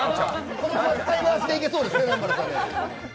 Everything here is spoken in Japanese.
このまま使い回していけそうですね。